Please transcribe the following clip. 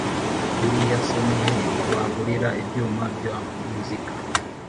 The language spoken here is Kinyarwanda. buriyasenihe wagurira ibyuma bya muzika?